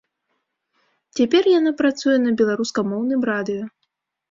Цяпер яна працуе на беларускамоўным радыё.